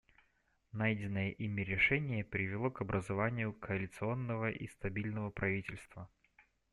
Найденное ими решение привело к образованию коалиционного и стабильного правительства.